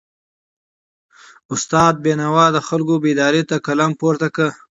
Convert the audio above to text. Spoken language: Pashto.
استاد بینوا د خلکو بیداری ته قلم پورته کړ.